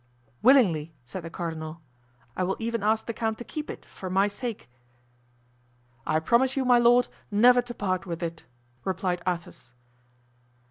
"Willingly," said the cardinal; "I will even ask the count to keep it for my sake." "I promise you, my lord, never to part with it," replied Athos.